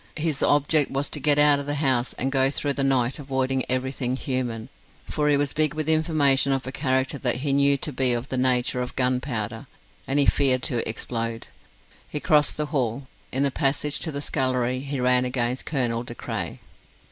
His object was to get out of the house and go through the night avoiding everything human, for he was big with information of a character that he knew to be of the nature of gunpowder, and he feared to explode. He crossed the hall. In the passage to the scullery he ran against Colonel De Craye.